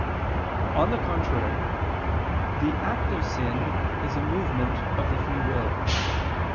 On the contrary, The act of sin is a movement of the free will.